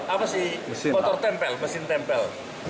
apa sih motor tempel mesin tempel